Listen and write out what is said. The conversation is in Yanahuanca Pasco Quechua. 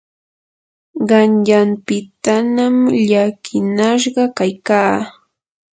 qanyanpitanam llakinashqa kaykaa.